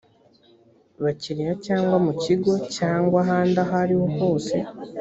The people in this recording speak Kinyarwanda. bakiriya cyangwa mu kigo cyangwa ahandi ahoriho hose